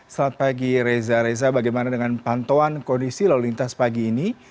selamat pagi reza reza bagaimana dengan pantauan kondisi lalu lintas pagi ini